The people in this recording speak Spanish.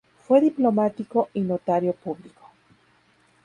Fue diplomático y notario público.